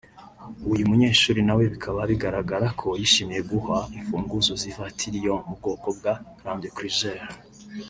uyu munyeshuli nawe bikaba bigaragarako yishimiye guhwa imfunguzo z’ivatiri yo mu bwoko bwa Land Cruiser